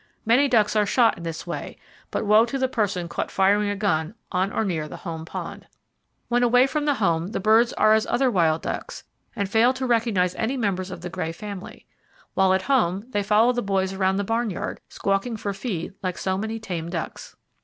Many ducks are shot in this way, but woe to the person caught firing a gun on or near the home pond. When away from home, the birds are as other wild ducks and fail to recognize any members of the Gray family. While at home they follow the boys around the barn yard, squawking for feed like so many tame ducks.